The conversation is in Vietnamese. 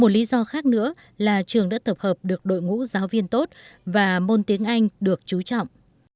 một lý do khác nữa là trường đã tập hợp được đội ngũ giáo viên tốt và môn tiếng anh được trú trọng